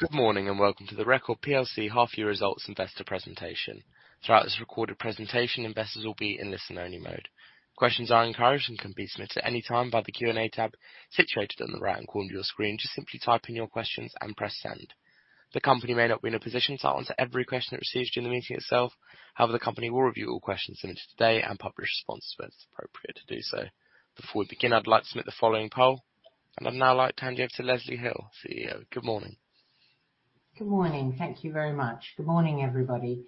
Good morning, and welcome to the Record PLC half-year results investor presentation. Throughout this recorded presentation, investors will be in listen-only mode. Questions are encouraged and can be submitted anytime via the Q and A tab situated on the right corner of your screen. Just simply type in your questions and press Send. The company may not be in a position to answer every question it receives during the meeting itself. However, the company will review all questions submitted today and publish responses where it's appropriate to do so. Before we begin, I'd like to submit the following poll. I'd now like to hand you over to Leslie Hill, CEO. Good morning. Good morning. Thank you very much. Good morning, everybody,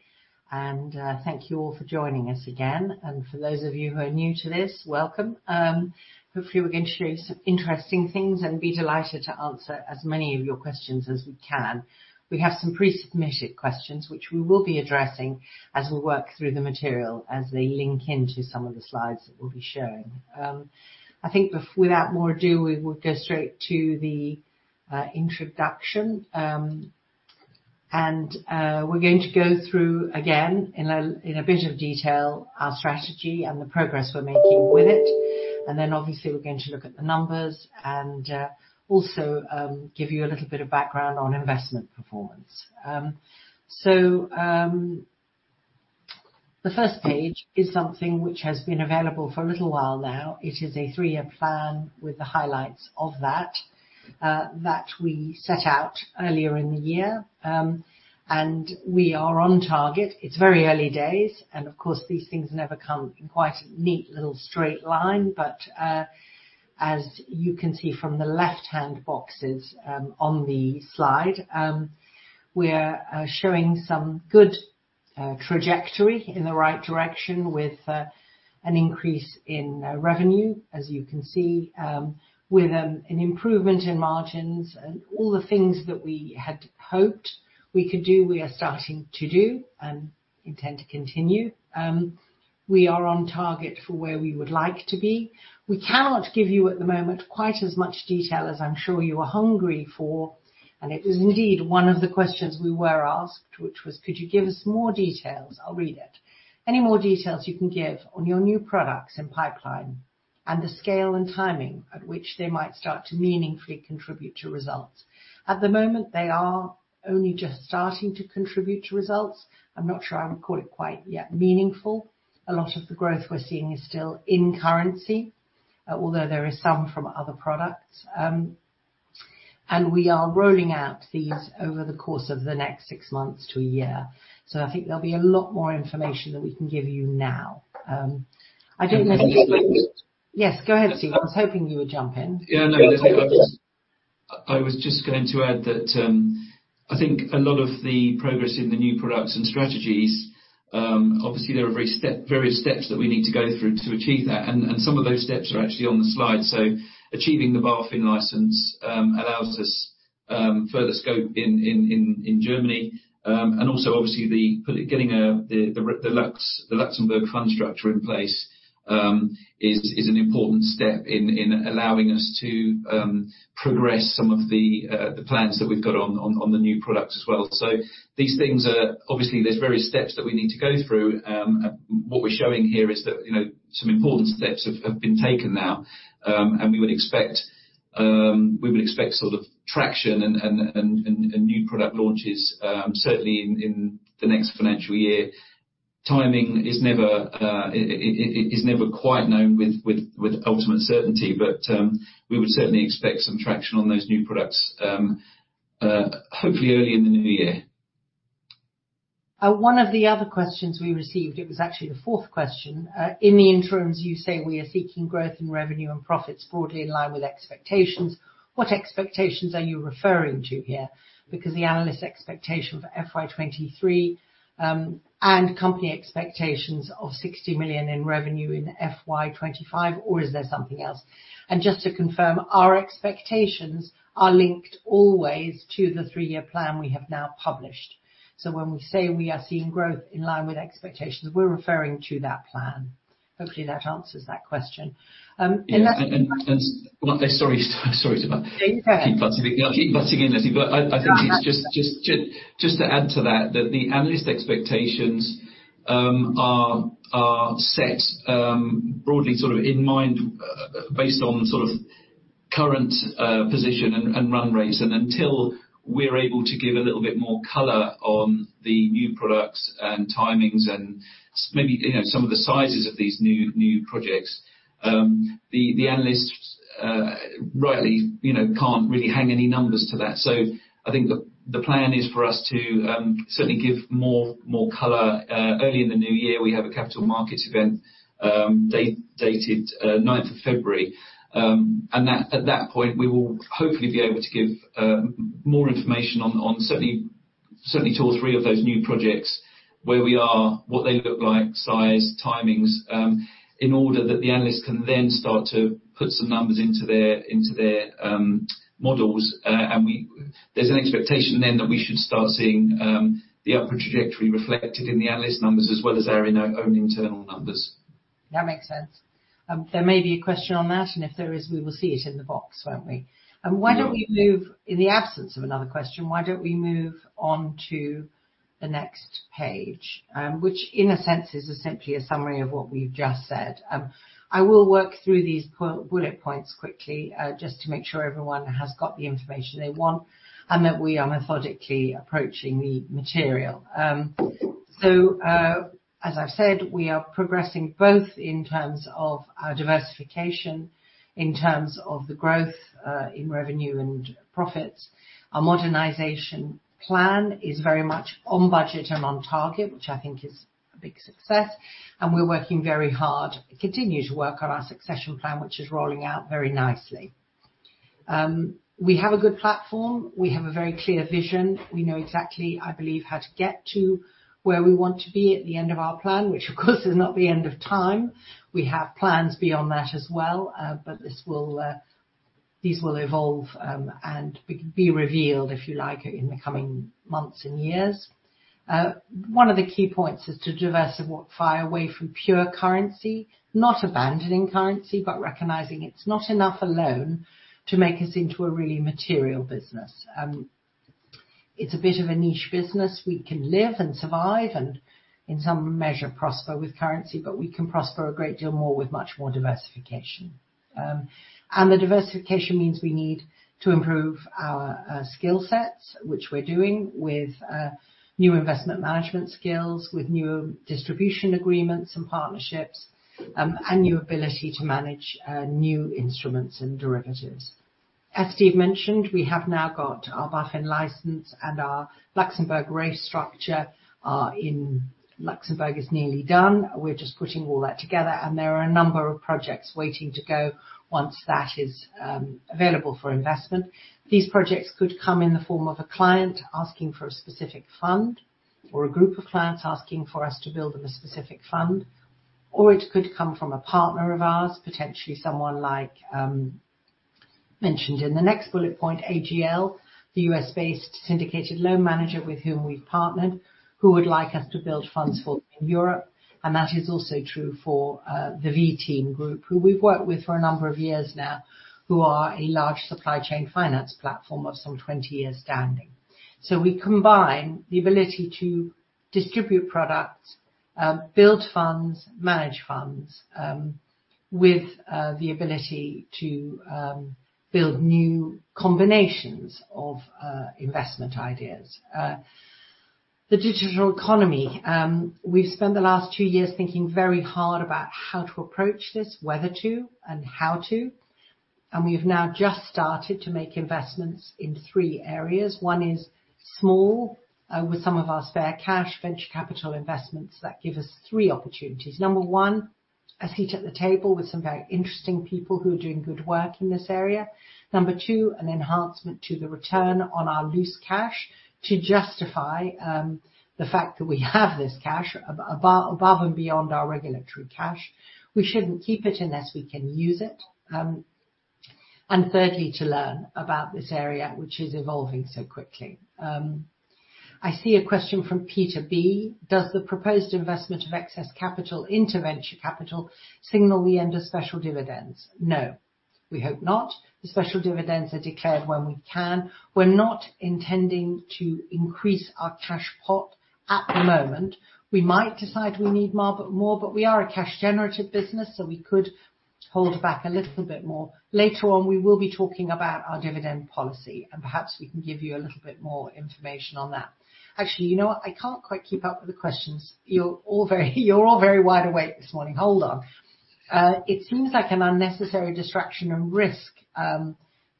and thank you all for joining us again. For those of you who are new to this, welcome. Hopefully, we're going to show you some interesting things and be delighted to answer as many of your questions as we can. We have some pre-submitted questions which we will be addressing as we work through the material, as they link into some of the slides that we'll be showing. I think without more ado, we will go straight to the introduction. We're going to go through again in a bit of detail our strategy and the progress we're making with it. Then obviously we're going to look at the numbers and also give you a little bit of background on investment performance. The first page is something which has been available for a little while now. It is a three year plan with the highlights of that we set out earlier in the year. We are on target. It's very early days and of course these things never come in quite a neat little straight line. As you can see from the left hand boxes on the slide, we're showing some good trajectory in the right direction with an increase in revenue, as you can see, with an improvement in margins and all the things that we had hoped we could do, we are starting to do and intend to continue. We are on target for where we would like to be. We cannot give you, at the moment, quite as much detail as I'm sure you are hungry for. It is indeed one of the questions we were asked, which was could you give us more details? I'll read it. Any more details you can give on your new products and pipeline and the scale and timing at which they might start to meaningfully contribute to results. At the moment, they are only just starting to contribute to results. I'm not sure I would call it quite yet meaningful. A lot of the growth we're seeing is still in currency, although there is some from other products. We are rolling out these over the course of the next six months to a year. I think there'll be a lot more information that we can give you now. I don't know. Yes, go ahead, Steve. I was hoping you would jump in. Yeah. No. Leslie, I was just going to add that, I think a lot of the progress in the new products and strategies, obviously there are various steps that we need to go through to achieve that, some of those steps are actually on the slide. Achieving the BaFin license allows us further scope in Germany. Obviously getting the Luxembourg fund structure in place is an important step in allowing us to progress some of the plans that we've got on the new products as well. These things Obviously, there's various steps that we need to go through. What we're showing here is that, you know, some important steps have been taken now. We would expect sort of traction and new product launches, certainly in the next financial year. Timing is never, it is never quite known with ultimate certainty. We would certainly expect some traction on those new products, hopefully early in the new year. One of the other questions we received, it was actually the fourth question. In the interim, you say we are seeking growth in revenue and profits broadly in line with expectations. What expectations are you referring to here? Because the analyst expectation for FY 2023, and company expectations of 60 million in revenue in FY 2025, or is there something else? Just to confirm, our expectations are linked always to the three year plan we have now published. When we say we are seeing growth in line with expectations, we're referring to that plan. Hopefully, that answers that question. Yeah. Sorry. It's okay. keep butting in. I keep butting in, Leslie. No, that's all right. I think it's just to add to that the analyst expectations are set broadly sort of in mind based on, sort of, current position and run rates. Until we're able to give a little bit more color on the new products and timings and maybe, you know, some of the sizes of these new projects, the analysts rightly, you know, can't really hang any numbers to that. I think the plan is for us to certainly give more color early in the new year. We have a capital markets event dated ninth of February. At that point, we will hopefully be able to give more information on certainly two or three of those new projects, where we are, what they look like, size, timings, in order that the analysts can then start to put some numbers into their, into their models. There's an expectation then that we should start seeing the upward trajectory reflected in the analyst numbers as well as our, you know, own internal numbers. That makes sense. There may be a question on that, and if there is, we will see it in the box, won't we? Why don't we move? In the absence of another question, why don't we move on to the next page? Which in a sense is simply a summary of what we've just said. I will work through these bullet points quickly, just to make sure everyone has got the information they want and that we are methodically approaching the material. As I've said, we are progressing both in terms of our diversification, in terms of the growth, in revenue and profits. Our modernization plan is very much on budget and on target, which I think is a big success, and we're working very hard to continue to work on our succession plan, which is rolling out very nicely. We have a good platform. We have a very clear vision. We know exactly, I believe, how to get to where we want to be at the end of our plan, which of course is not the end of time. We have plans beyond that as well, but this will, these will evolve, and be revealed, if you like, in the coming months and years. One of the key points is to diversify away from pure currency, not abandoning currency, but recognizing it's not enough alone to make us into a really material business. It's a bit of a niche business. We can live and survive, and in some measure, prosper with currency, but we can prosper a great deal more with much more diversification. The diversification means we need to improve our skill sets, which we're doing with new investment management skills, with new distribution agreements and partnerships, and new ability to manage new instruments and derivatives. As Steve mentioned, we have now got our BaFin license and our Luxembourg RAIF structure in Luxembourg is nearly done. We're just putting all that together, and there are a number of projects waiting to go once that is available for investment. These projects could come in the form of a client asking for a specific fund or a group of clients asking for us to build them a specific fund, or it could come from a partner of ours, potentially someone like, mentioned in the next bullet point, AGL, the US based syndicated loan manager with whom we've partnered, who would like us to build funds for in Europe. That is also true for the VTeam group, who we've worked with for a number of years now, who are a large supply chain finance platform of some 20 years standing. We combine the ability to distribute products, build funds, manage funds, with the ability to build new combinations of investment ideas. The digital economy. We've spent the last two years thinking very hard about how to approach this, whether to and how to, and we've now just started to make investments in three areas. One is small, with some of our spare cash venture capital investments that give us three opportunities. Number one, a seat at the table with some very interesting people who are doing good work in this area. Number two, an enhancement to the return on our loose cash to justify the fact that we have this cash above and beyond our regulatory cash. We shouldn't keep it unless we can use it. Thirdly, to learn about this area which is evolving so quickly. I see a question from Peter B. Does the proposed investment of excess capital into venture capital signal the end of special dividends? No, we hope not. The special dividends are declared when we can. We're not intending to increase our cash pot at the moment. We might decide we need more, but we are a cash generative business, so we could hold back a little bit more. Later on, we will be talking about our dividend policy. Perhaps we can give you a little bit more information on that. Actually, you know what? I can't quite keep up with the questions. You're all very wide awake this morning. Hold on. It seems like an unnecessary distraction and risk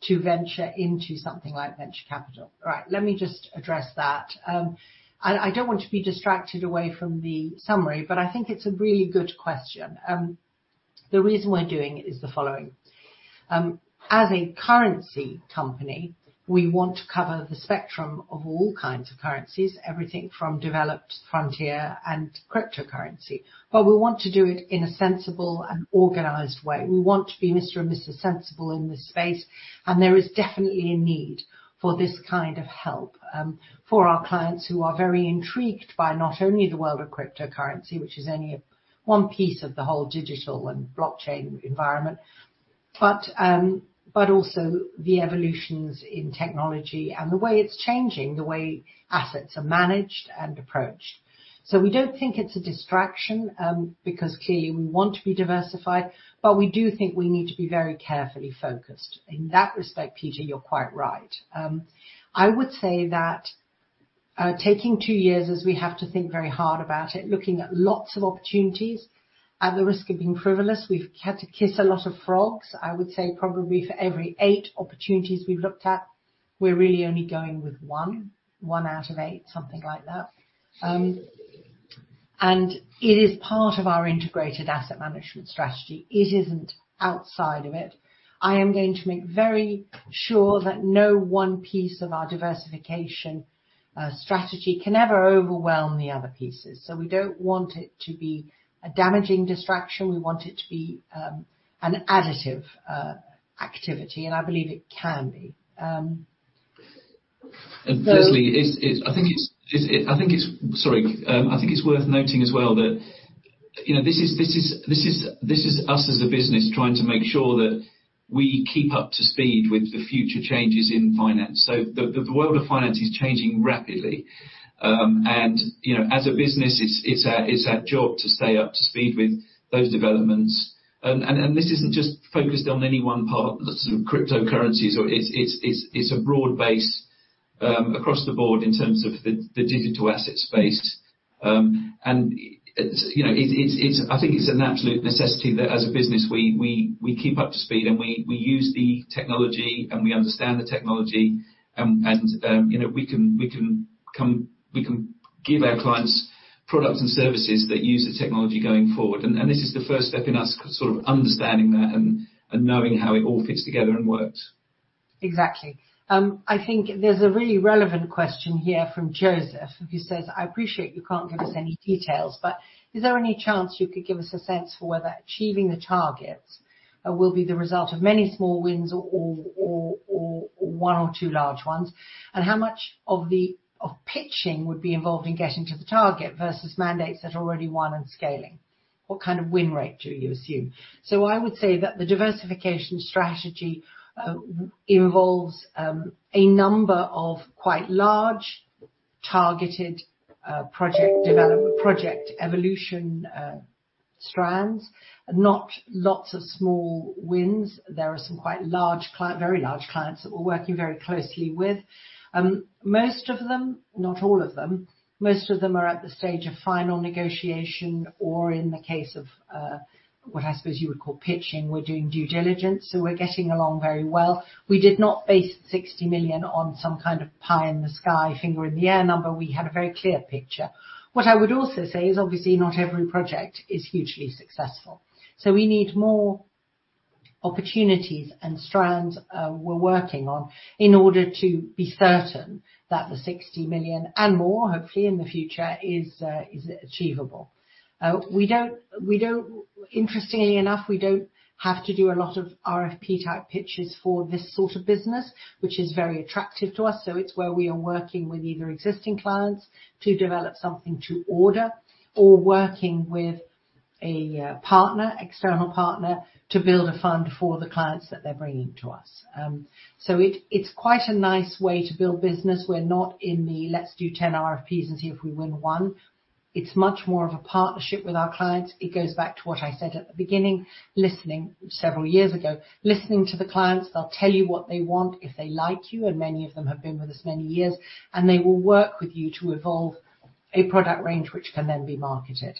to venture into something like venture capital. All right. Let me just address that. I don't want to be distracted away from the summary, but I think it's a really good question. The reason we're doing it is the following. As a currency company, we want to cover the spectrum of all kinds of currencies, everything from developed frontier and cryptocurrency. We want to do it in a sensible and organized way. We want to be Mr. and Mrs. Sensible in this space, and there is definitely a need for this kind of help for our clients who are very intrigued by not only the world of cryptocurrency, which is only one piece of the whole digital and blockchain environment, but also the evolutions in technology and the way it's changing, the way assets are managed and approached. We don't think it's a distraction, because clearly we want to be diversified, but we do think we need to be very carefully focused. In that respect, Peter, you're quite right. I would say that, taking two years as we have to think very hard about it, looking at lots of opportunities. At the risk of being frivolous, we've had to kiss a lot of frogs. I would say probably for every eight opportunities we've looked at, we're really only going with one. One out of eight, something like that. It is part of our integrated asset management strategy. It isn't outside of it. I am going to make very sure that no one piece of our diversification, strategy can ever overwhelm the other pieces. We don't want it to be a damaging distraction. We want it to be, an additive, activity, and I believe it can be. Leslie, I think it's worth noting as well that, you know, this is us as a business trying to make sure that we keep up to speed with the future changes in finance. The world of finance is changing rapidly. You know, as a business, it's our job to stay up to speed with those developments. This isn't just focused on any one part, the sort of cryptocurrencies, it's a broad base across the board in terms of the digital asset space. I think it's an absolute necessity that as a business, we keep up to speed, and we use the technology, and we understand the technology. you know, we can give our clients products and services that use the technology going forward. This is the first step in us sort of understanding that and knowing how it all fits together and works. Exactly. I think there's a really relevant question here from Joseph, who says, "I appreciate you can't give us any details, but is there any chance you could give us a sense for whether achieving the targets will be the result of many small wins or one or two large ones? How much of the, of pitching would be involved in getting to the target versus mandates that are already won and scaling? What kind of win rate do you assume?" I would say that the diversification strategy involves a number of quite large targeted, project evolution, strands, not lots of small wins. There are some very large clients that we're working very closely with. Most of them, not all of them, most of them are at the stage of final negotiation or in the case of what I suppose you would call pitching, we're doing due diligence, so we're getting along very well. We did not base 60 million on some kind of pie-in-the-sky, finger-in-the-air number. We had a very clear picture. What I would also say is obviously not every project is hugely successful. We need more opportunities and strands we're working on in order to be certain that the 60 million and more, hopefully, in the future, is achievable. Interestingly enough, we don't have to do a lot of RFP-type pitches for this sort of business, which is very attractive to us. It's where we are working with either existing clients to develop something to order or working with a partner, external partner, to build a fund for the clients that they're bringing to us. It's, it's quite a nice way to build business. We're not in the, "Let's do 10 RFPs and see if we win one." It's much more of a partnership with our clients. It goes back to what I said at the beginning, listening several years ago. Listening to the clients, they'll tell you what they want if they like you, and many of them have been with us many years, and they will work with you to evolve a product range which can then be marketed.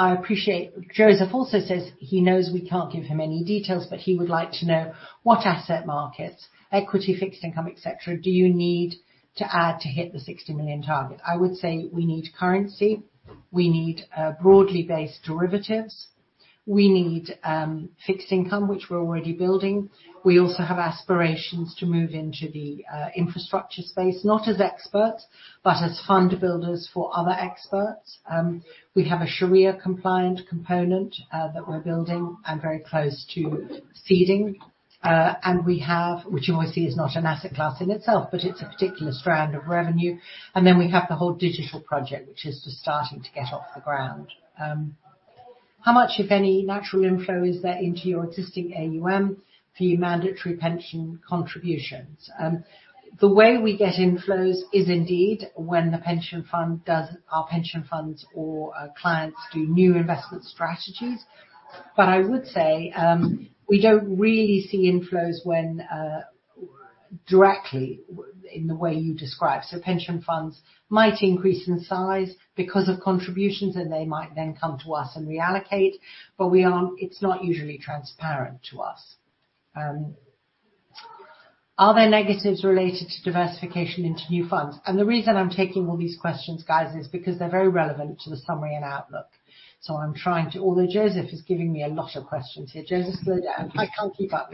I appreciate... Joseph also says he knows we can't give him any details, but he would like to know what asset markets, equity, fixed income, et cetera, do you need to add to hit the 60 million target? I would say we need currency. We need broadly based derivatives. We need fixed income, which we're already building. We also have aspirations to move into the infrastructure space, not as experts, but as fund builders for other experts. We have a Sharia compliant component that we're building and very close to seeding. We have, which you always see is not an asset class in itself, but it's a particular strand of revenue. We have the whole digital project, which is just starting to get off the ground. How much, if any, natural inflow is there into your existing AUM for your mandatory pension contributions? The way we get inflows is indeed when our pension funds or clients do new investment strategies. I would say, we don't really see inflows when directly in the way you describe. Pension funds might increase in size because of contributions, and they might then come to us and reallocate. It's not usually transparent to us. Are there negatives related to diversification into new funds? The reason I'm taking all these questions, guys, is because they're very relevant to the summary and outlook. Although Joseph is giving me a lot of questions here. Joseph, slow down. I can't keep up.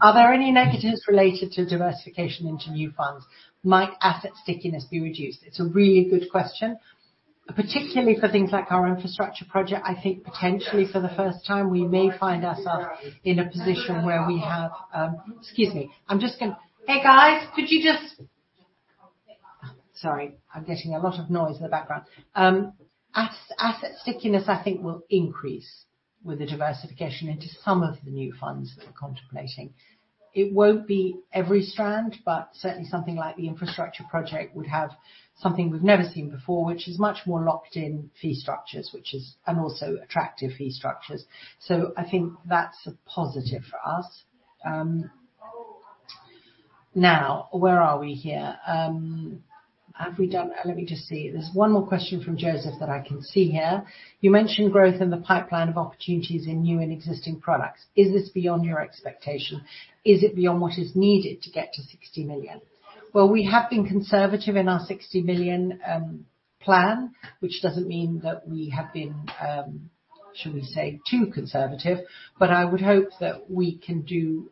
Are there any negatives related to diversification into new funds? Might asset stickiness be reduced? It's a really good question. Particularly for things like our infrastructure project, I think potentially for the first time, we may find ourselves in a position where we have. Excuse me. Hey, guys, could you just. Sorry, I'm getting a lot of noise in the background. Asset stickiness, I think, will increase with the diversification into some of the new funds that we're contemplating. It won't be every strand, but certainly something like the infrastructure project would have something we've never seen before, which is much more locked in fee structures, which is, and also attractive fee structures. I think that's a positive for us. Now, where are we here? Let me just see. There's one more question from Joseph that I can see here. You mentioned growth in the pipeline of opportunities in new and existing products. Is this beyond your expectation? Is it beyond what is needed to get to 60 million? Well, we have been conservative in our 60 million plan, which doesn't mean that we have been, shall we say, too conservative. I would hope that we can do,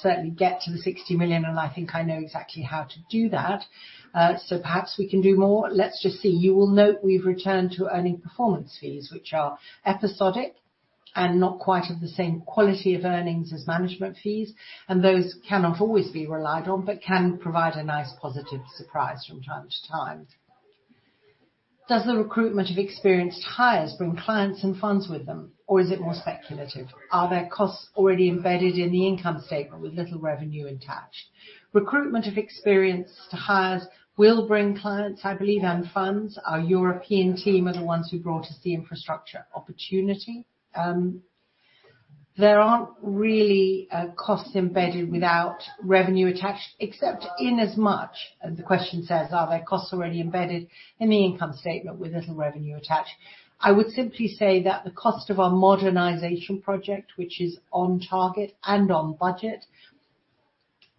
certainly get to the 60 million, and I think I know exactly how to do that. Perhaps we can do more. Let's just see. You will note we've returned to earning performance fees, which are episodic and not quite of the same quality of earnings as management fees, and those cannot always be relied on, but can provide a nice positive surprise from time to time. Does the recruitment of experienced hires bring clients and funds with them, or is it more speculative? Are there costs already embedded in the income statement with little revenue attached? Recruitment of experienced hires will bring clients, I believe, and funds. Our European team are the ones who brought us the infrastructure opportunity. There aren't really costs embedded without revenue attached except inasmuch, and the question says, "Are there costs already embedded in the income statement with little revenue attached?" I would simply say that the cost of our modernization project, which is on target and on budget,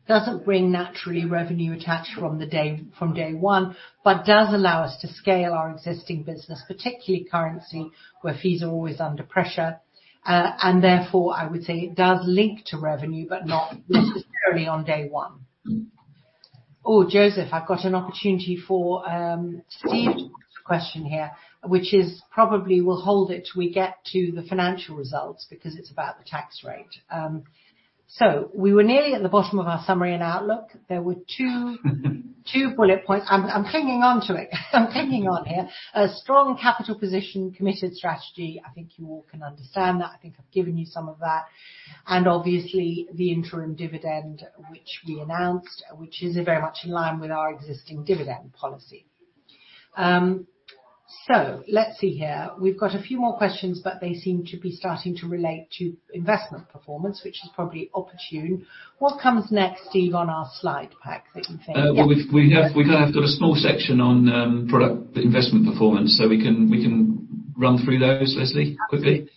doesn't bring naturally revenue attached from day one, but does allow us to scale our existing business, particularly currency, where fees are always under pressure. Therefore, I would say it does link to revenue, but not necessarily on day one. Joseph, I've got an opportunity for Steve's question here, which is probably we'll hold it till we get to the financial results because it's about the tax rate. We were nearly at the bottom of our summary and outlook. There were two bullet points. I'm clinging onto it. I'm clinging on here. A strong capital position, committed strategy. I think you all can understand that. I think I've given you some of that. Obviously, the interim dividend, which we announced, which is very much in line with our existing dividend policy. Let's see here. We've got a few more questions, but they seem to be starting to relate to investment performance, which is probably opportune. What comes next, Steve, on our slide pack that you can see? Yeah. We kind of have got a small section on, product investment performance, so we can run through those, Leslie, quickly.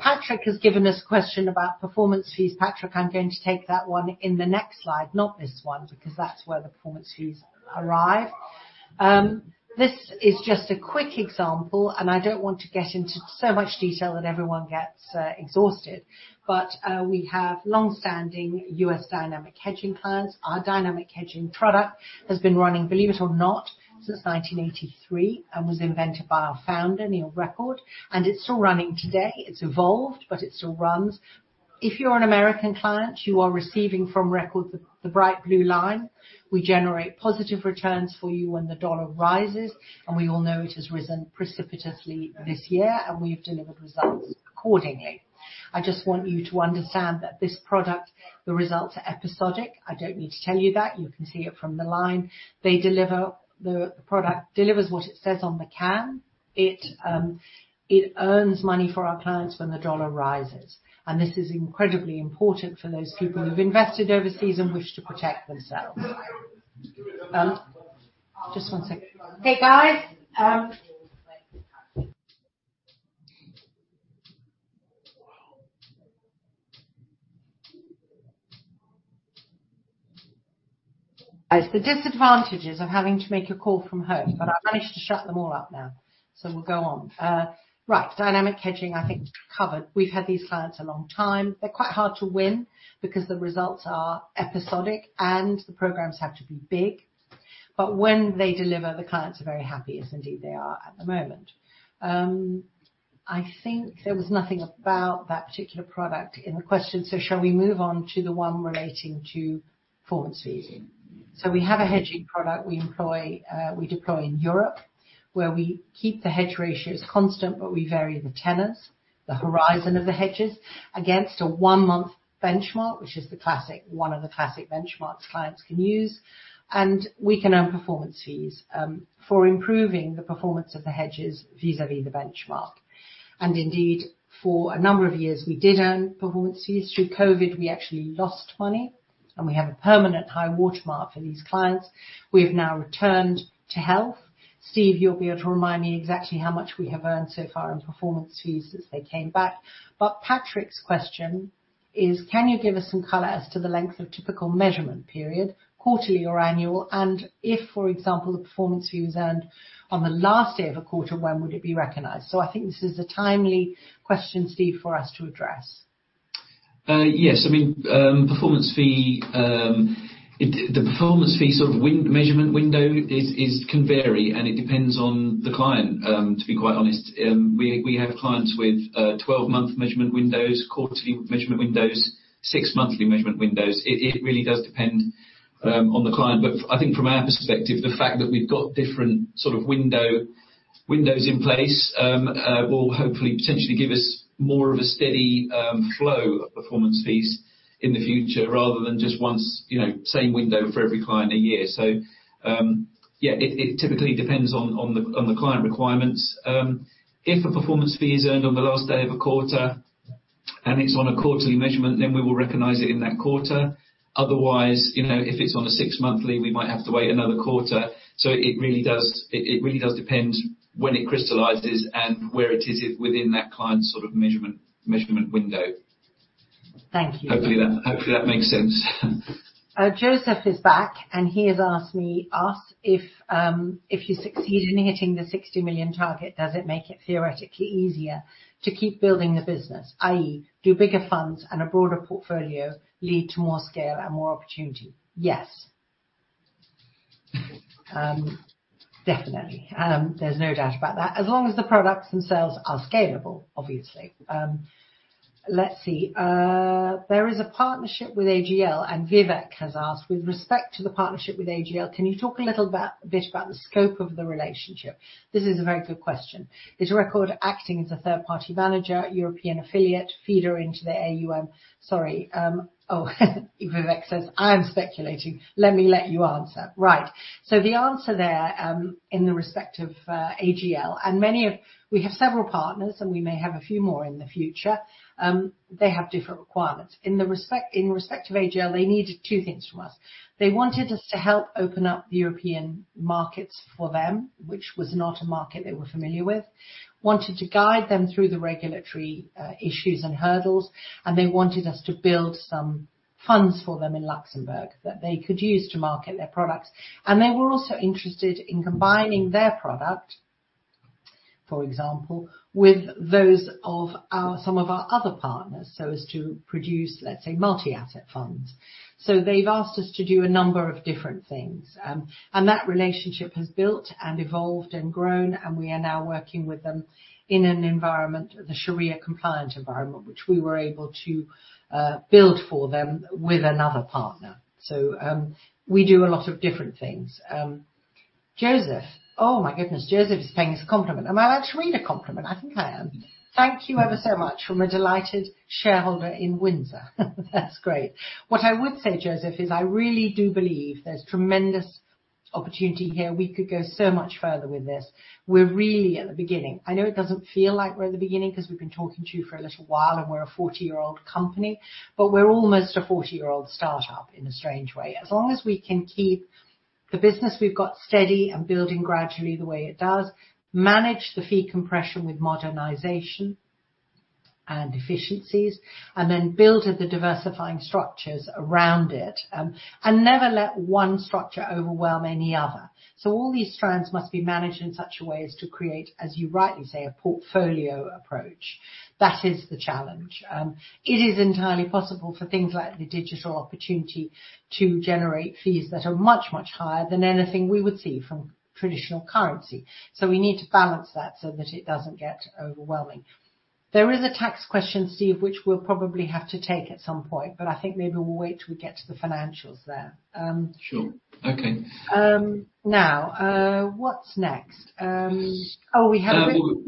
Patrick has given us a question about performance fees. Patrick, I'm going to take that one in the next slide, not this one, because that's where the performance fees arrive. This is just a quick example, and I don't want to get into so much detail that everyone gets exhausted, but we have long-standing US Dynamic Hedging clients. Our Dynamic Hedging product has been running, believe it or not, since 1983 and was invented by our founder, Neil Record, and it's still running today. It's evolved, but it still runs. If you're an American client, you are receiving from Record the bright blue line. We generate positive returns for you when the dollar rises, and we all know it has risen precipitously this year, and we've delivered results accordingly. I just want you to understand that this product, the results are episodic. I don't need to tell you that. You can see it from the line. The product delivers what it says on the can. It earns money for our clients when the dollar rises. This is incredibly important for those people who've invested overseas and wish to protect themselves. Just one second. Hey, guys. The disadvantages of having to make a call from home, but I've managed to shut them all up now. We'll go on. Right. Dynamic Hedging, I think is covered. We've had these clients a long time. They're quite hard to win because the results are episodic and the programs have to be big. When they deliver, the clients are very happy, as indeed they are at the moment. I think there was nothing about that particular product in the question. Shall we move on to the one relating to performance fee? We have a hedging product we employ, we deploy in Europe, where we keep the hedge ratios constant, but we vary the tenors, the horizon of the hedges, against a one-month benchmark, which is the classic, one of the classic benchmarks clients can use. We can earn performance fees for improving the performance of the hedges vis-à-vis the benchmark. Indeed, for a number of years, we did earn performance fees. Through COVID, we actually lost money, and we have a permanent high watermark for these clients. We've now returned to health. Steve, you'll be able to remind me exactly how much we have earned so far in performance fees since they came back. Patrick's question is, "Can you give us some color as to the length of typical measurement period, quarterly or annual? And if, for example, the performance fee was earned on the last day of a quarter, when would it be recognized?" I think this is a timely question, Steve, for us to address. Yes. I mean, performance fee, The performance fee sort of measurement window can vary, and it depends on the client, to be quite honest. We have clients with 12-month measurement windows, quarterly measurement windows, six monthly measurement windows. It really does depend on the client. I think from our perspective, the fact that we've got different sort of windows in place, will hopefully potentially give us more of a steady flow of performance fees in the future rather than just once, you know, same window for every client a year. Yeah, it typically depends on the client requirements. If a performance fee is earned on the last day of a quarter and it's on a quarterly measurement, then we will recognize it in that quarter. Otherwise, you know, if it's on a six monthly, we might have to wait another quarter. It really does, it really does depend when it crystallizes and where it is within that client's sort of measurement window. Thank you. Hopefully that makes sense. Joseph is back, he has asked me, us if you succeed in hitting the 60 million target, does it make it theoretically easier to keep building the business, i.e., do bigger funds and a broader portfolio lead to more scale and more opportunity? Yes. Definitely. There's no doubt about that, as long as the products and sales are scalable, obviously. Let's see. There is a partnership with AGL, Vivek has asked, with respect to the partnership with AGL, can you talk a little bit about the scope of the relationship? This is a very good question. Is Record acting as a third party manager, European affiliate feeder into the AUM? Sorry. Oh, Vivek says, "I am speculating. Let me let you answer." Right. The answer there, in the respect of AGL. We have several partners, and we may have a few more in the future. They have different requirements. In respect of AGL, they needed two things from us. They wanted us to help open up the European markets for them, which was not a market they were familiar with. Wanted to guide them through the regulatory issues and hurdles, and they wanted us to build some funds for them in Luxembourg that they could use to market their products. They were also interested in combining their product, for example, with those of our, some of our other partners, so as to produce, let's say, multi-asset funds. They've asked us to do a number of different things. That relationship has built and evolved and grown, and we are now working with them in an environment, the Sharia compliant environment, which we were able to build for them with another partner. We do a lot of different things. Joseph. Oh my goodness, Joseph is paying us a compliment. Am I allowed to read a compliment? I think I am. "Thank you ever so much from a delighted shareholder in Windsor." That's great. What I would say, Joseph, is I really do believe there's tremendous opportunity here. We could go so much further with this. We're really at the beginning. I know it doesn't feel like we're at the beginning because we've been talking to you for a little while, and we're a 40 year-old company, but we're almost a 40 year old start-up in a strange way. As long as we can keep the business we've got steady and building gradually the way it does, manage the fee compression with modernization and efficiencies, and then build the diversifying structures around it, and never let one structure overwhelm any other. All these strands must be managed in such a way as to create, as you rightly say, a portfolio approach. That is the challenge. It is entirely possible for things like the digital opportunity to generate fees that are much, much higher than anything we would see from traditional currency. We need to balance that so that it doesn't get overwhelming. There is a tax question, Steve, which we'll probably have to take at some point, but I think maybe we'll wait till we get to the financials there. Sure. Okay. Now, what's next? oh,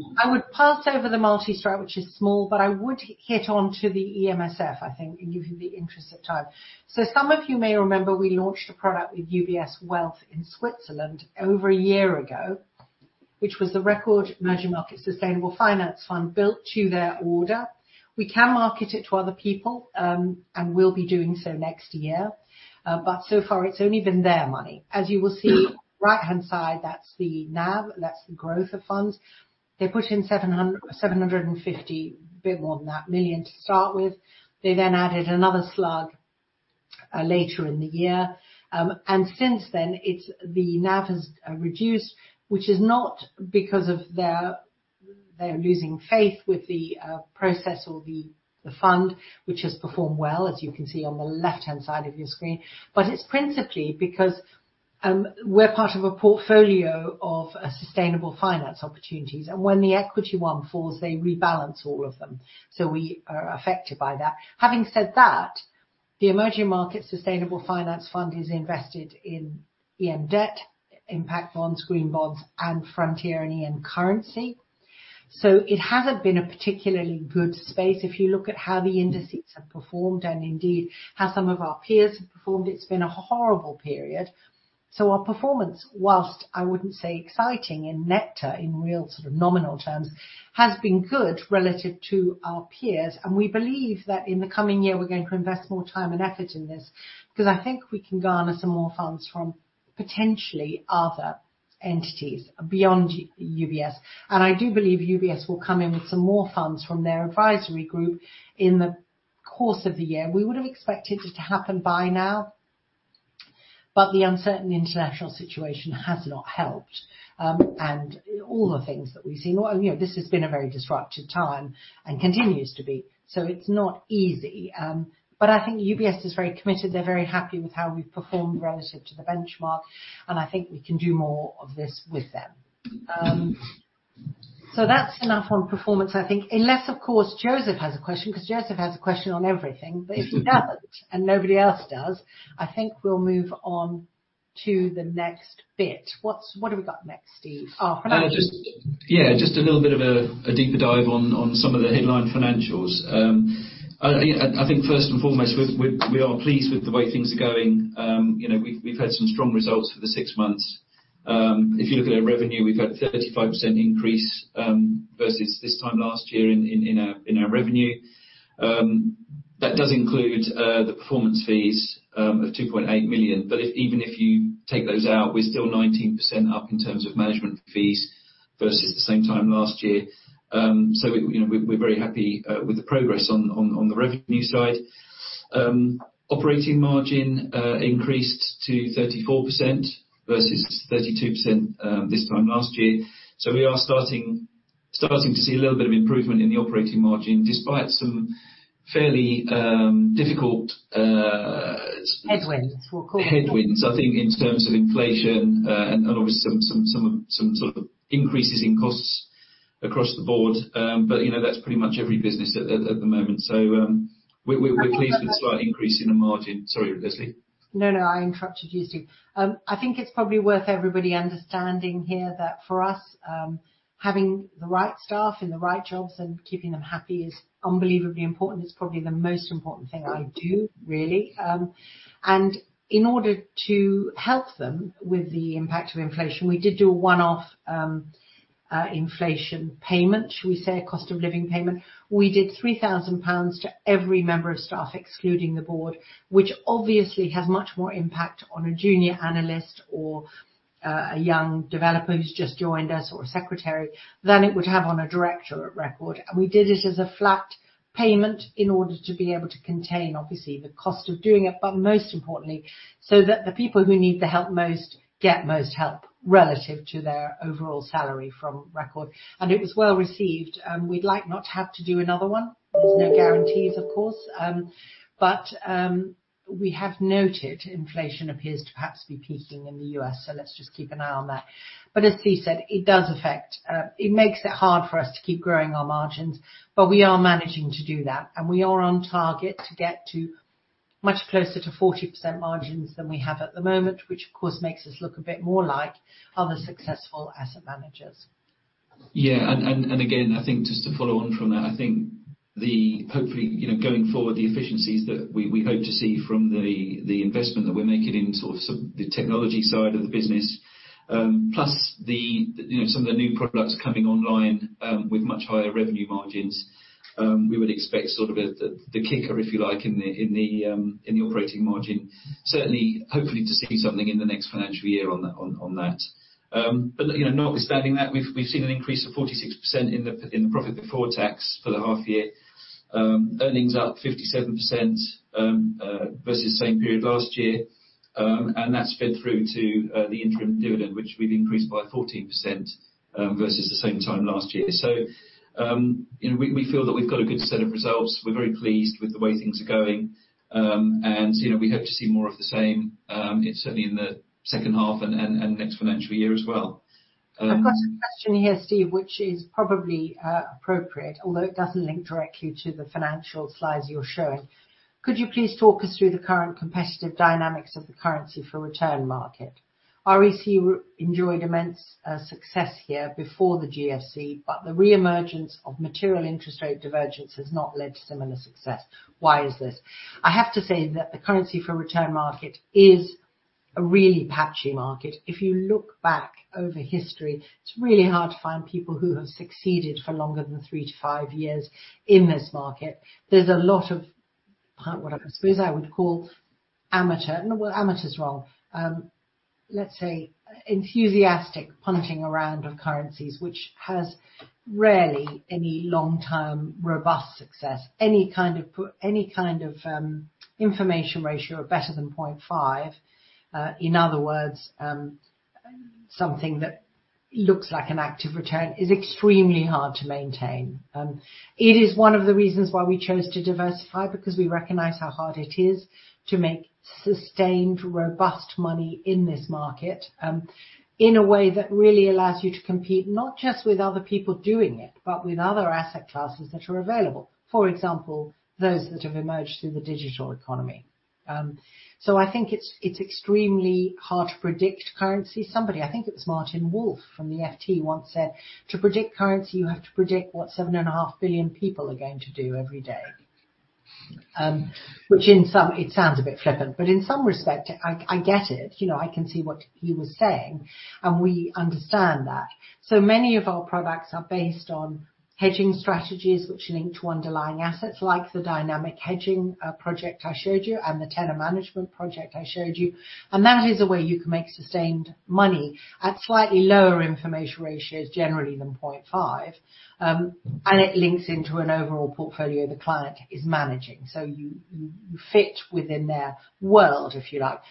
I would pass over the Multi-Strategy, which is small, but I would hit onto the EMSF, I think, in view of the interest of time. Some of you may remember we launched a product with UBS Wealth in Switzerland over a year ago, which was the Record Emerging Market Sustainable Finance Fund built to their order. We can market it to other people, and will be doing so next year. But so far, it's only been their money. As you will see right-hand side, that's the NAV, that's the growth of funds. They put in 750, bit more than that, million to start with. They then added another slug later in the year. Since then, the NAV has reduced, which is not because of their losing faith with the process or the fund, which has performed well, as you can see on the left-hand side of your screen. It's principally because we're part of a portfolio of sustainable finance opportunities, and when the equity one falls, they rebalance all of them. We are affected by that. Having said that, the Emerging Market Sustainable Finance Fund is invested in EM debt, impact bonds, green bonds, and frontier and EM currency. It hasn't been a particularly good space. If you look at how the indices have performed and indeed how some of our peers have performed, it's been a horrible period. Our performance, whilst I wouldn't say exciting in NECTA, in real sort of nominal terms, has been good relative to our peers, and we believe that in the coming year we're going to invest more time and effort in this, cause I think we can garner some more funds from potentially other entities beyond UBS. I do believe UBS will come in with some more funds from their advisory group in the course of the year. We would have expected it to happen by now. The uncertain international situation has not helped. All the things that we've seen. You know, this has been a very disruptive time and continues to be. It's not easy. I think UBS is very committed. They're very happy with how we've performed relative to the benchmark. I think we can do more of this with them. That's enough on performance, I think. Unless, of course, Joseph has a question, cause Joseph has a question on everything. If he doesn't and nobody else does, I think we'll move on to the next bit. What have we got next, Steve? Our financials. Yeah, just a little bit of a deeper dive on some of the headline financials. I think first and foremost, we are pleased with the way things are going. You know, we've had some strong results for the six months. If you look at our revenue, we've had 35% increase versus this time last year in our revenue. That does include the performance fees of 2.8 million. Even if you take those out, we're still 19% up in terms of management fees versus the same time last year. You know, we're very happy with the progress on the revenue side. Operating margin increased to 34% versus 32% this time last year. We are starting to see a little bit of improvement in the operating margin despite some fairly difficult. Headwinds, we'll call them. Headwinds, I think in terms of inflation, and obviously some sort of increases in costs across the board. You know, that's pretty much every business at the moment. We're pleased with the slight increase in the margin. Sorry, Leslie. No, no, I interrupted you, Steve. I think it's probably worth everybody understanding here that for us, having the right staff in the right jobs and keeping them happy is unbelievably important. It's probably the most important thing I do really. In order to help them with the impact of inflation, we did do a one-off inflation payment. Should we say a cost of living payment. We did 3,000 pounds to every member of staff, excluding the board, which obviously has much more impact on a junior analyst or a young developer who's just joined us, or a secretary, than it would have on a director at Record. We did it as a flat payment in order to be able to contain, obviously, the cost of doing it, but most importantly, so that the people who need the help most get most help relative to their overall salary from Record. It was well received. We'd like not to have to do another one. There's no guarantees, of course. We have noted inflation appears to perhaps be peaking in the US, so let's just keep an eye on that. As Steve said, it does affect, it makes it hard for us to keep growing our margins, but we are managing to do that, and we are on target to get to much closer to 40% margins than we have at the moment, which of course makes us look a bit more like other successful asset managers. Yeah. Again, I think just to follow on from that, I think the hopefully, you know, going forward, the efficiencies that we hope to see from the investment that we're making in sort of some, the technology side of the business, plus the, you know, some of the new products coming online, with much higher revenue margins, we would expect sort of the kicker, if you like, in the operating margin. Certainly, hopefully to see something in the next financial year on that. You know, notwithstanding that, we've seen an increase of 46% in the profit before tax for the half year. Earnings up 57% versus same period last year. That's fed through to the interim dividend, which we've increased by 14% versus the same time last year. You know, we feel that we've got a good set of results. We're very pleased with the way things are going. You know, we hope to see more of the same, certainly in the second half and next financial year as well. I've got a question here, Steve, which is probably appropriate, although it doesn't link directly to the financial slides you're showing. Could you please talk us through the current competitive dynamics of the currency for return market? REC enjoyed immense success here before the GFC, but the reemergence of material interest rate divergence has not led to similar success. Why is this? I have to say that the currency for return market is a really patchy market. If you look back over history, it's really hard to find people who have succeeded for longer than three to five years in this market. There's a lot of what I suppose I would call amateur. No, well, amateur is wrong. Let's say enthusiastic punting around of currencies, which has rarely any long-term robust success. Any kind of put, any kind of, information ratio of better than 0.5, in other words, something that looks like an active return is extremely hard to maintain. It is one of the reasons why we chose to diversify, because we recognize how hard it is to make sustained, robust money in this market, in a way that really allows you to compete, not just with other people doing it, but with other asset classes that are available. For example, those that have emerged through the digital economy. I think it's extremely hard to predict currency. Somebody, I think it was Martin Wolf from the FT once said, "To predict currency, you have to predict what 7.5 billion people are going to do every day." Which in some it sounds a bit flippant, but in some respect, I get it. You know, I can see what he was saying, and we understand that. Many of our products are based on hedging strategies which link to underlying assets, like the Dynamic Hedging project I showed you and the Tenor Management project I showed you, and that is a way you can make sustained money at slightly lower information ratios generally than 0.5. It links into an overall portfolio the client is managing. You fit within their world, if you like.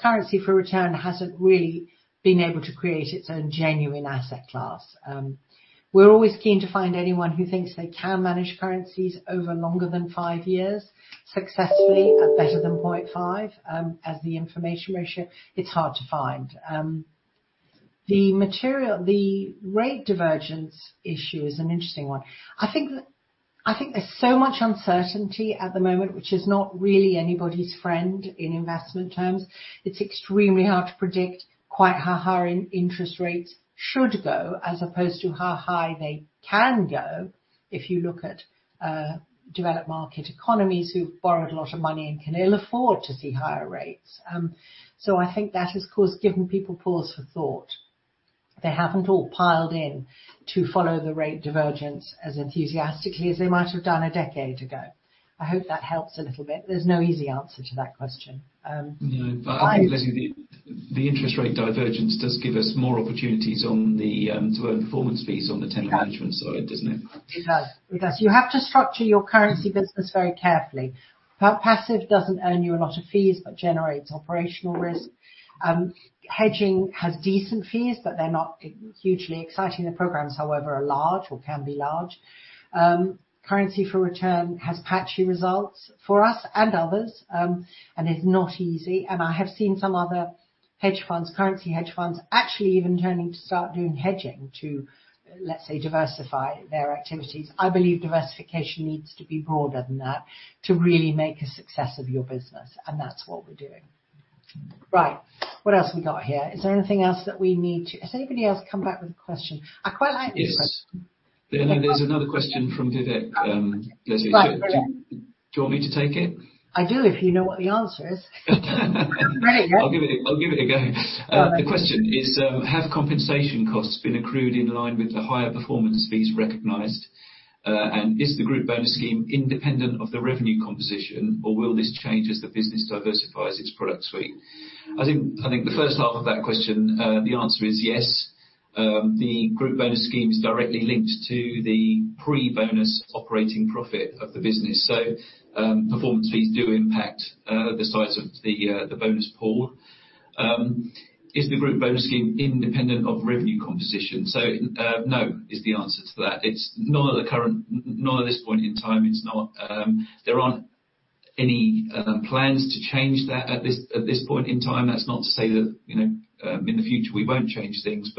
Currency for return hasn't really been able to create its own genuine asset class. We're always keen to find anyone who thinks they can manage currencies over longer than five years successfully at better than 0.5 as the information ratio. It's hard to find. The material, the rate divergence issue is an interesting one. I think there's so much uncertainty at the moment, which is not really anybody's friend in investment terms. It's extremely hard to predict quite how high interest rates should go as opposed to how high they can go, if you look at developed market economies who've borrowed a lot of money and can ill afford to see higher rates. I think that has, of course, given people pause for thought. They haven't all piled in to follow the rate divergence as enthusiastically as they might have done a decade ago. I hope that helps a little bit. There's no easy answer to that question. No. I think, Leslie, the interest rate divergence does give us more opportunities to earn performance fees on the tenor management side, doesn't it? It does. It does. You have to structure your currency business very carefully. Passive doesn't earn you a lot of fees, but generates operational risk. Hedging has decent fees, but they're not hugely exciting. The programs, however, are large or can be large. Currency for return has patchy results for us and others, and is not easy. I have seen some other hedge funds, currency hedge funds, actually even turning to start doing hedging to, let's say, diversify their activities. I believe diversification needs to be broader than that to really make a success of your business. That's what we're doing. Right. What else we got here? Is there anything else that we need to? Has anybody else come back with a question? I quite like this question. Yes. There's another question from Vivek, Leslie. Right. Do you want me to take it? I do, if you know what the answer is. Ready, yeah. I'll give it a go. All right. The question is, have compensation costs been accrued in line with the higher performance fees recognized? Is the group bonus scheme independent of the revenue composition, or will this change as the business diversifies its product suite? I think the first half of that question, the answer is yes. The group bonus scheme is directly linked to the pre-bonus operating profit of the business. Performance fees do impact the size of the bonus pool. Is the group bonus scheme independent of revenue composition? No, is the answer to that. It's not at this point in time, it's not. There aren't any plans to change that at this point in time. That's not to say that, you know, in the future, we won't change things.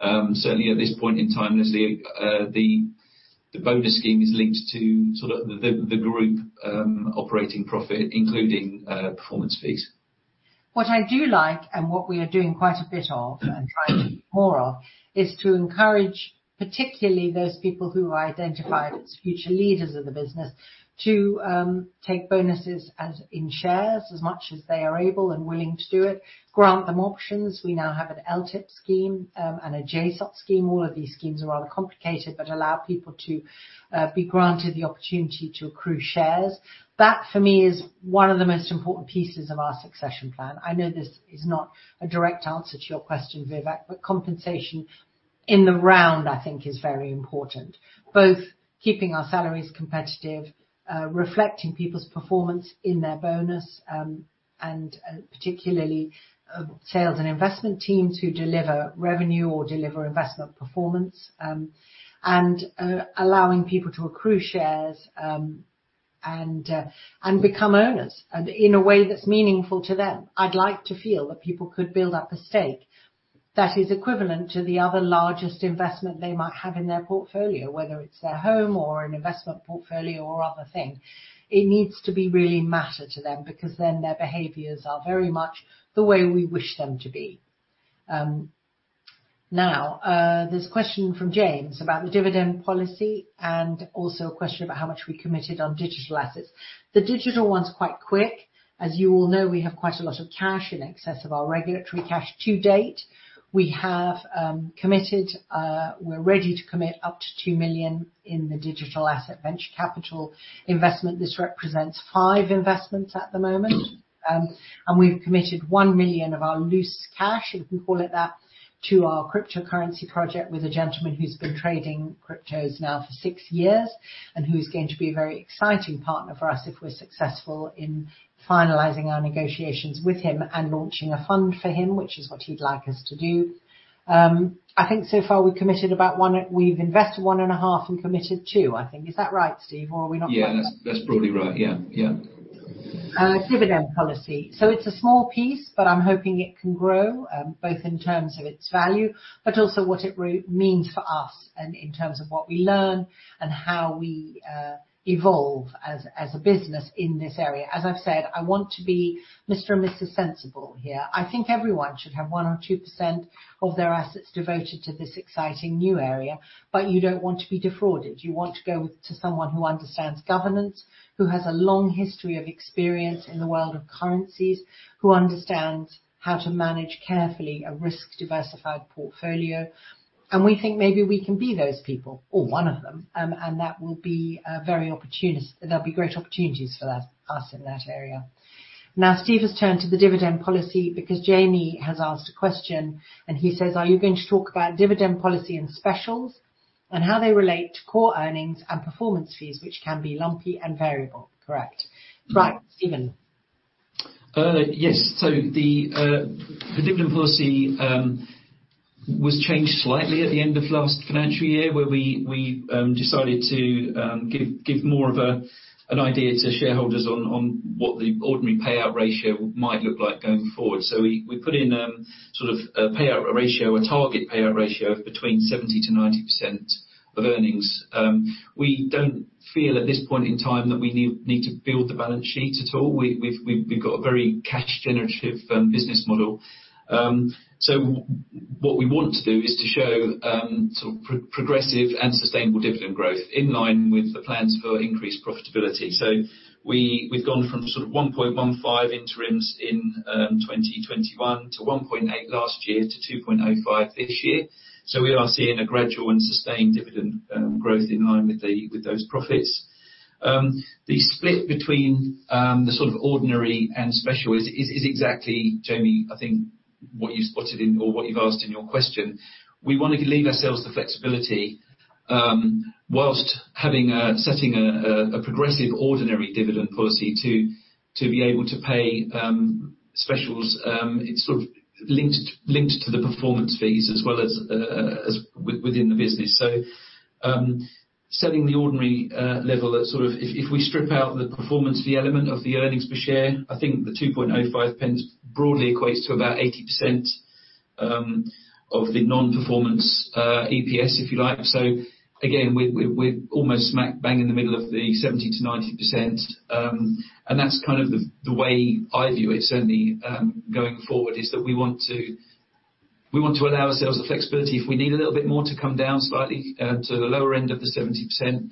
Certainly at this point in time, there's the bonus scheme is linked to sort of the group operating profit, including performance fees. What I do like, and what we are doing quite a bit of and trying to do more of, is to encourage particularly those people who are identified as future leaders of the business to take bonuses as in shares, as much as they are able and willing to do it, grant them options. We now have an LTIP scheme, and a JSOS scheme. All of these schemes are rather complicated, but allow people to be granted the opportunity to accrue shares. That, for me, is one of the most important pieces of our succession plan. I know this is not a direct answer to your question, Vivek, but compensation in the round, I think, is very important. Both keeping our salaries competitive, reflecting people's performance in their bonus, and particularly sales and investment teams who deliver revenue or deliver investment performance. Allowing people to accrue shares, and become owners and in a way that's meaningful to them. I'd like to feel that people could build up a stake that is equivalent to the other largest investment they might have in their portfolio, whether it's their home or an investment portfolio or other thing. It needs to be really matter to them because then their behaviors are very much the way we wish them to be. This question from James about the dividend policy and also a question about how much we committed on digital assets. The digital one's quite quick. As you all know, we have quite a lot of cash in excess of our regulatory cash to date. We have, committed, we're ready to commit up to 2 million in the digital asset venture capital investment. This represents five investments at the moment. We've committed 1 million of our loose cash, if we call it that, to our cryptocurrency project with a gentleman who's been trading cryptos now for 6 years, and who's going to be a very exciting partner for us if we're successful in finalizing our negotiations with him and launching a fund for him, which is what he'd like us to do. I think so far, we've invested 1.5 million and committed 2 million, I think. Is that right, Steve? Are we not quite there? Yeah. That's, that's broadly right. Yeah, yeah. Dividend policy. It's a small piece, but I'm hoping it can grow, both in terms of its value, but also what it means for us and in terms of what we learn and how we evolve as a business in this area. As I've said, I want to be Mr. and Mrs. Sensible here. I think everyone should have 1% or 2% of their assets devoted to this exciting new area, but you don't want to be defrauded. You want to go to someone who understands governance, who has a long history of experience in the world of currencies, who understands how to manage carefully a risk-diversified portfolio. We think maybe we can be those people or one of them, and that will be very opportunist. There'll be great opportunities for us in that area. Now, Steve has turned to the dividend policy because Jamie has asked a question, and he says, "Are you going to talk about dividend policy and specials, and how they relate to core earnings and performance fees, which can be lumpy and variable?" Correct. Right. Steven. Yes. The dividend policy was changed slightly at the end of last financial year, where we decided to give more of an idea to shareholders on what the ordinary payout ratio might look like going forward. We put in sort of a payout ratio, a target payout ratio of between 70% to 90% of earnings. We don't feel at this point in time that we need to build the balance sheet at all. We've got a very cash generative business model. What we want to do is to show sort of progressive and sustainable dividend growth in line with the plans for increased profitability. We've gone from sort of 1.15 interims in 2021 to 1.8 last year to 2.05 this year. We are seeing a gradual and sustained dividend growth in line with the with those profits. The split between the sort of ordinary and special is exactly, Jamie, I think what you spotted in or what you've asked in your question. We wanna leave ourselves the flexibility whilst having a, setting a progressive ordinary dividend policy to be able to pay specials, it's sort of linked to the performance fees as well as within the business. Setting the ordinary level at sort of. If we strip out the performance fee element of the earnings per share, I think the 0.0205 broadly equates to about 80% of the non-performance EPS, if you like. Again, we're almost smack bang in the middle of the 70% to 90%. That's kind of the way I view it, certainly, going forward, is that we want to allow ourselves the flexibility, if we need a little bit more, to come down slightly to the lower end of the 70%.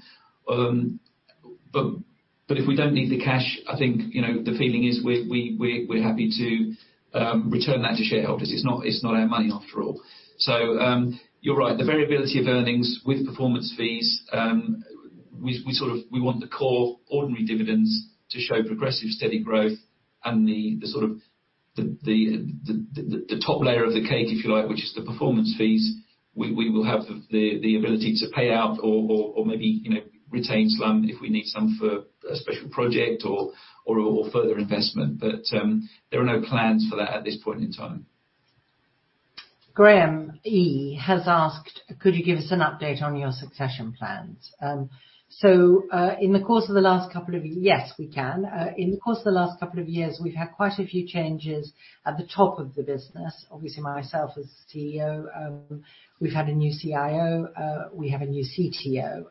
But if we don't need the cash, I think, you know, the feeling is we're happy to return that to shareholders. It's not, it's not our money after all. You're right, the variability of earnings with performance fees, we sort of, we want the core ordinary dividends to show progressive, steady growth and the sort of the top layer of the cake, if you like, which is the performance fees, we will have the ability to pay out or maybe, you know, retain some if we need some for a special project or further investment. There are no plans for that at this point in time. Graham E has asked, "Could you give us an update on your succession plans?" Yes, we can. In the course of the last couple of years, we've had quite a few changes at the top of the business. Obviously myself as CEO, we've had a new CIO, we have a new CTO.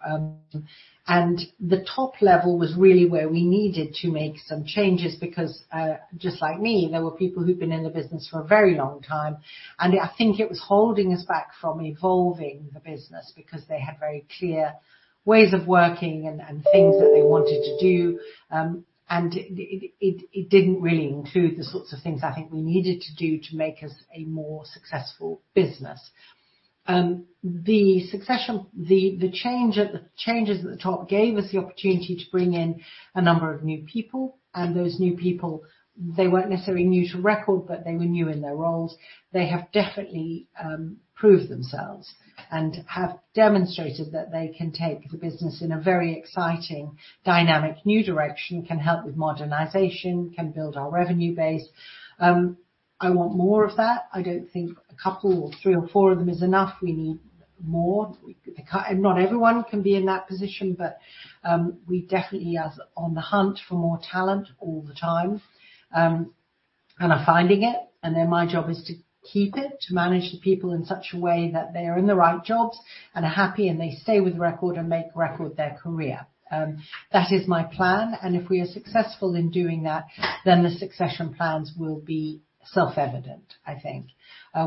The top level was really where we needed to make some changes because, just like me, there were people who'd been in the business for a very long time, and I think it was holding us back from evolving the business because they had very clear ways of working and things that they wanted to do. It didn't really include the sorts of things I think we needed to do to make us a more successful business. The succession, the changes at the top gave us the opportunity to bring in a number of new people. Those new people, they weren't necessarily new to Record, but they were new in their roles. They have definitely proved themselves and have demonstrated that they can take the business in a very exciting, dynamic new direction, can help with modernization, can build our revenue base. I want more of that. I don't think a couple or three or four of them is enough. We need more. Not everyone can be in that position, but we definitely are on the hunt for more talent all the time, and are finding it. Then my job is to keep it, to manage the people in such a way that they are in the right jobs and are happy, and they stay with Record and make Record their career. That is my plan. If we are successful in doing that, then the succession plans will be self-evident, I think.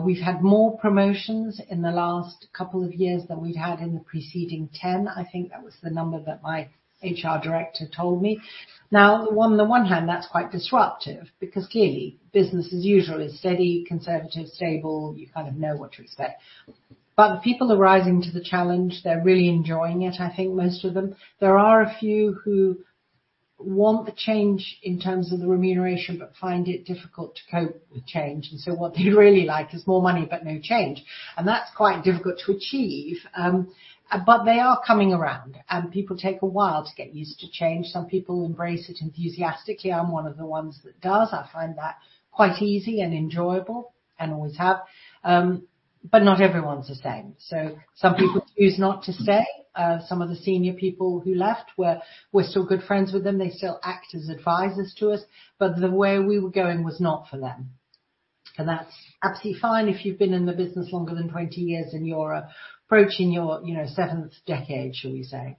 We've had more promotions in the last two years than we've had in the preceding 10. I think that was the number that my HR director told me. Now, on the one hand, that's quite disruptive because clearly business as usual is steady, conservative, stable, you kind of know what to expect. The people are rising to the challenge. They're really enjoying it, I think most of them. There are a few who want the change in terms of the remuneration, but find it difficult to cope with change. What they really like is more money but no change. That's quite difficult to achieve. They are coming around, and people take a while to get used to change. Some people embrace it enthusiastically. I'm one of the ones that does. I find that quite easy and enjoyable and always have. Not everyone's the same. Some people choose not to stay. Some of the senior people who left, we're still good friends with them. They still act as advisors to us. The way we were going was not for them. That's absolutely fine if you've been in the business longer than 20 years and you're approaching your, you know, seventh decade, shall we say.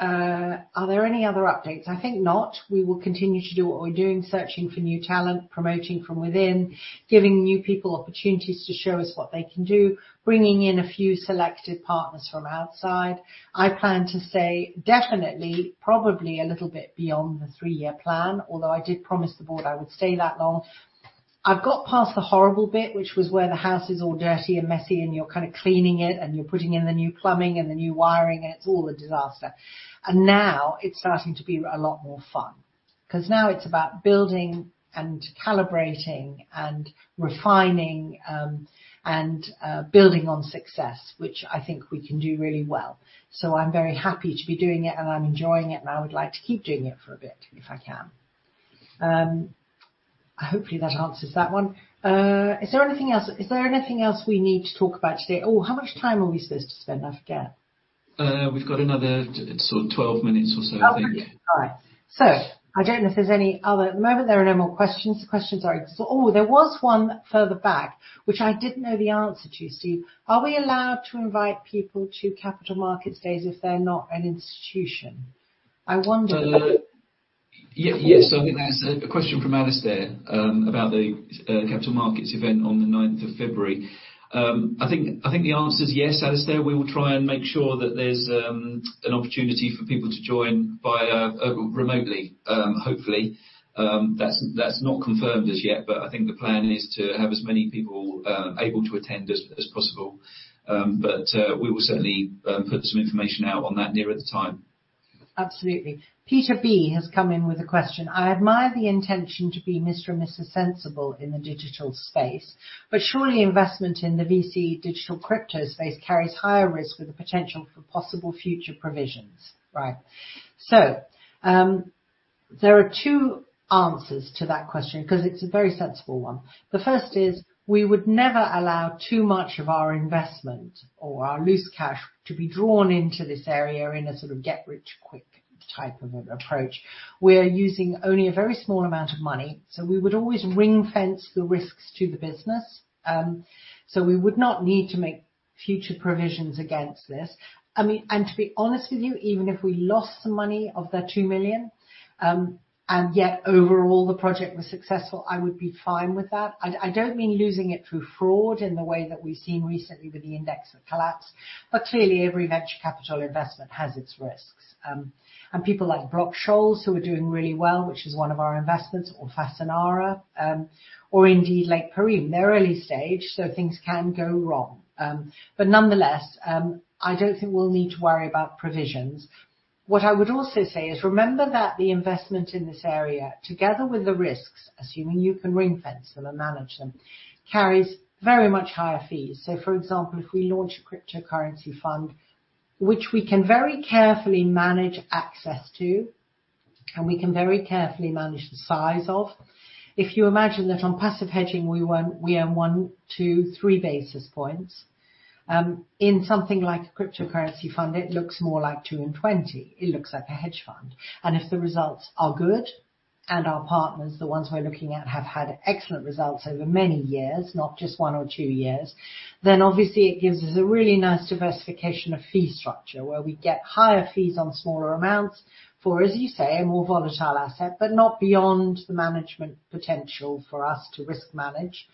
Are there any other updates? I think not. We will continue to do what we're doing, searching for new talent, promoting from within, giving new people opportunities to show us what they can do, bringing in a few selected partners from outside. I plan to stay definitely probably a little bit beyond the three-year plan, although I did promise the board I would stay that long. I've got past the horrible bit, which was where the house is all dirty and messy, and you're kind of cleaning it, and you're putting in the new plumbing and the new wiring, and it's all a disaster. Now it's starting to be a lot more fun cause now it's about building and calibrating and refining, and building on success, which I think we can do really well. I'm very happy to be doing it, and I'm enjoying it, and I would like to keep doing it for a bit if I can. Hopefully that answers that one. Is there anything else we need to talk about today? How much time are we supposed to spend? I forget. We've got another sort of 12 minutes or so, I think. Okay. All right. I don't know if there's any other at the moment, there are no more questions. The questions are, there was one further back, which I didn't know the answer to, Steve. Are we allowed to invite people to Capital Markets Days if they're not an institution? I wonder. Yes. I think that's a question from Alistair about the capital markets event on the ninth of February. I think the answer is yes, Alistair. We will try and make sure that there's an opportunity for people to join by remotely, hopefully. That's not confirmed just yet, but I think the plan is to have as many people able to attend as possible. We will certainly put some information out on that nearer the time. Absolutely. Peter B has come in with a question. "I admire the intention to be Mr. and Mrs. Sensible in the digital space, but surely investment in the VC digital crypto space carries higher risk with the potential for possible future provisions?" Right. There are two answers to that question 'cause it's a very sensible one. The first is we would never allow too much of our investment or our loose cash to be drawn into this area in a sort of get rich quick type of approach. We're using only a very small amount of money, we would always ring-fence the risks to the business. We would not need to make future provisions against this. I mean, and to be honest with you, even if we lost the money of the 2 million, and yet overall the project was successful, I would be fine with that. I don't mean losing it through fraud in the way that we've seen recently with the index collapse. Clearly every venture capital investment has its risks. People like Block Scholes who are doing really well, which is one of our investments, or Fasanara, or indeed Lakerim, they're early stage, so things can go wrong. Nonetheless, I don't think we'll need to worry about provisions. What I would also say is remember that the investment in this area, together with the risks, assuming you can ring-fence them and manage them, carries very much higher fees. For example, if we launch a cryptocurrency fund, which we can very carefully manage access to, and we can very carefully manage the size of. If you imagine that on passive hedging, we earn one basis points to three basis points, in something like a cryptocurrency fund, it looks more like two and twenty. It looks like a hedge fund. If the results are good, and our partners, the ones we're looking at, have had excellent results over many years, not just one or two years, obviously it gives us a really nice diversification of fee structure where we get higher fees on smaller amounts for, as you say, a more volatile asset, but not beyond the management potential for us to risk manage.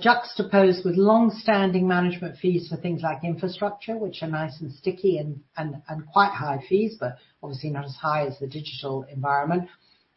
Juxtaposed with long-standing management fees for things like infrastructure, which are nice and sticky and quite high fees, but obviously not as high as the digital environment.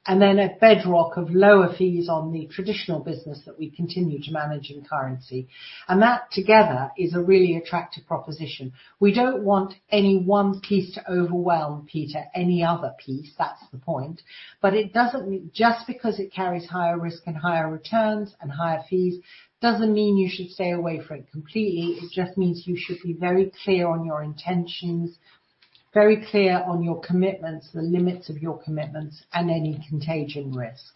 A bedrock of lower fees on the traditional business that we continue to manage in currency. That together is a really attractive proposition. We don't want any one piece to overwhelm, Peter, any other piece, that's the point. It doesn't mean just because it carries higher risk and higher returns and higher fees, doesn't mean you should stay away from it completely. It just means you should be very clear on your intentions, very clear on your commitments, the limits of your commitments and any contagion risk.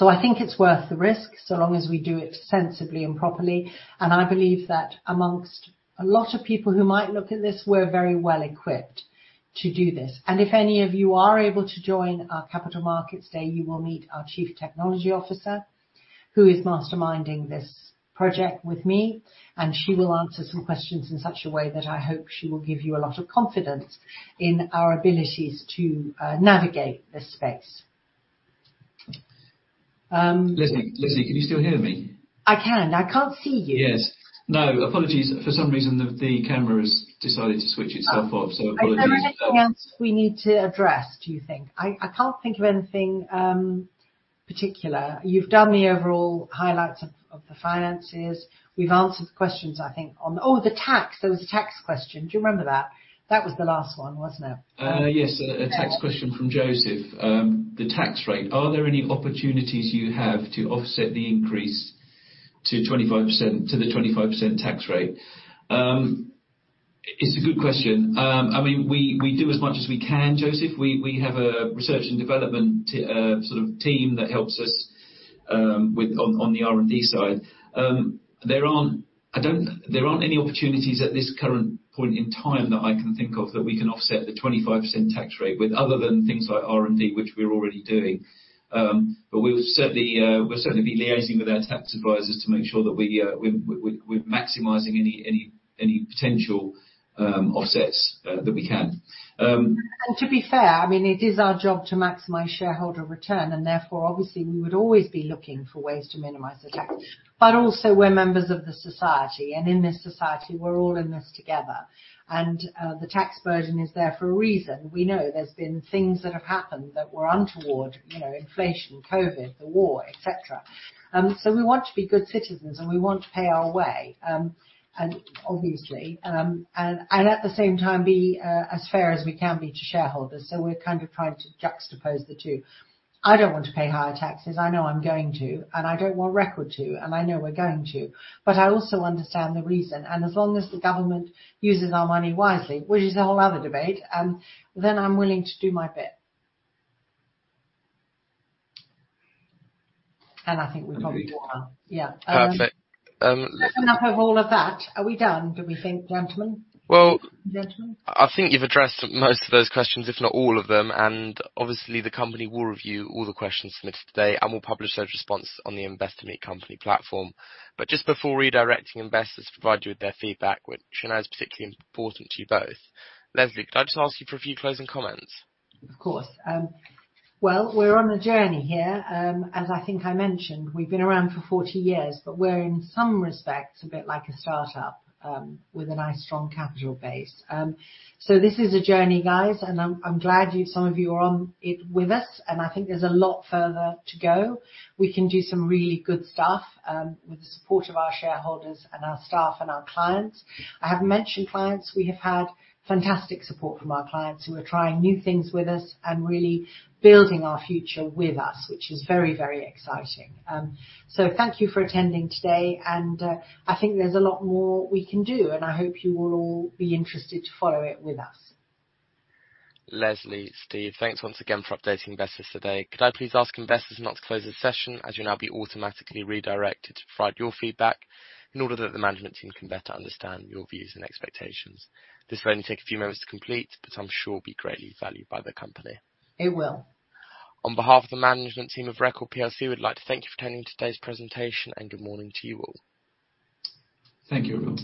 I think it's worth the risk, so long as we do it sensibly and properly. I believe that amongst a lot of people who might look at this, we're very well equipped to do this. If any of you are able to join our capital markets day, you will meet our Chief Technology Officer, who is masterminding this project with me. She will answer some questions in such a way that I hope she will give you a lot of confidence in our abilities to navigate this space. Leslie, can you still hear me? I can. I can't see you. Yes. No, apologies. For some reason, the camera has decided to switch itself off. Apologies. Is there anything else we need to address, do you think? I can't think of anything particular. You've done the overall highlights of the finances. We've answered the questions, I think. Oh, the tax. There was a tax question. Do you remember that? That was the last one, wasn't it? Yes. A tax question from Joseph. The tax rate. Are there any opportunities you have to offset the increase to 25%, to the 25% tax rate? It's a good question. I mean, we do as much as we can, Joseph. We, we have a research and development team that helps us with, on the R&D side. There aren't any opportunities at this current point in time that I can think of that we can offset the 25% tax rate with other than things like R&D, which we're already doing. We'll certainly, we'll certainly be liaising with our tax advisors to make sure that we, we're maximizing any, any potential offsets that we can. To be fair, I mean, it is our job to maximize shareholder return, and therefore, obviously, we would always be looking for ways to minimize the tax. Also we're members of the society, and in this society, we're all in this together. The tax burden is there for a reason. We know there's been things that have happened that were untoward, you know, inflation, COVID, the war, et cetera. We want to be good citizens, and we want to pay our way, and obviously, and at the same time be as fair as we can be to shareholders. We're kind of trying to juxtapose the two. I don't want to pay higher taxes. I know I'm going to, and I don't want Record to, and I know we're going to. I also understand the reason, and as long as the government uses our money wisely, which is a whole other debate, then I'm willing to do my bit. I think we've probably talked enough. Okay. Yeah. Perfect. Enough of all of that. Are we done, do we think, gentlemen? Well. Gentlemen? I think you've addressed most of those questions, if not all of them. Obviously the company will review all the questions submitted today and will publish those response on the Investor Meet Company platform. Just before redirecting investors to provide you with their feedback, which I know is particularly important to you both, Leslie, could I just ask you for a few closing comments? Of course. We're on a journey here. As I think I mentioned, we've been around for 40 years, but we're in some respects a bit like a start-up, with a nice, strong capital base. This is a journey, guys, I'm glad you, some of you are on it with us, I think there's a lot further to go. We can do some really good stuff, with the support of our shareholders and our staff and our clients. I have mentioned clients. We have had fantastic support from our clients who are trying new things with us and really building our future with us, which is very, very exciting. Thank you for attending today, I think there's a lot more we can do, I hope you will all be interested to follow it with us. Leslie, Steve, thanks once again for updating investors today. Could I please ask investors now to close the session as you will now be automatically redirected to provide your feedback in order that the management team can better understand your views and expectations. This will only take a few moments to complete, but I am sure be greatly valued by the company. It will. On behalf of the management team of Record PLC, we'd like to thank you for attending today's presentation, and good morning to you all. Thank you, everyone.